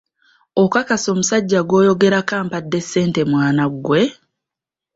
Okakasa omusajja gwoyogerako ampadde ssente mwana gwe?